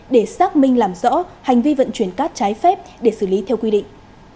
để xác minh làm rõ hành vi vận chuyển cát trái phép để xử lý theo quy định